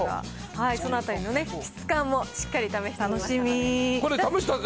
そのあたりの質感もしっかり試してきましたので。